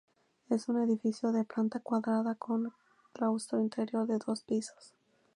Es un edificio de planta cuadrada con claustro interior de dos pisos.